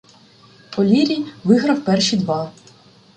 О'Лірі виграв перші два.